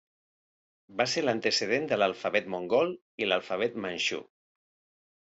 Va ser l'antecedent de l'alfabet mongol i l'alfabet manxú.